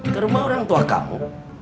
ke rumah orang tua kamu